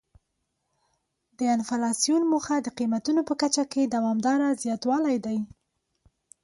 د انفلاسیون موخه د قیمتونو په کچه کې دوامداره زیاتوالی دی.